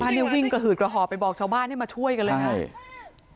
นี่วิ่งกระหืดกระห่อไปบอกชาวบ้านให้มาช่วยกันเลยครับ